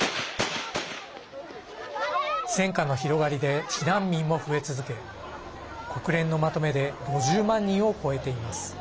戦火の広がりで避難民も増え続け国連のまとめで５０万人を超えています。